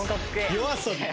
ＹＯＡＳＯＢＩ